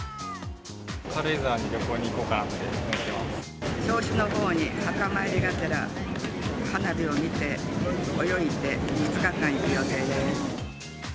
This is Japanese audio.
軽井沢に旅行に行こうかなっ銚子のほうに墓参りがてら、花火を見て、泳いで、２日間行く予定です。